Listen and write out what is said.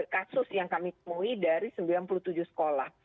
kasus yang kami temui dari sembilan puluh tujuh sekolah